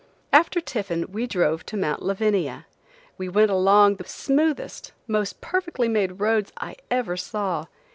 After tiffin we drove to mount Lavania. We went along the smoothest, most perfectly made roads I ever saw.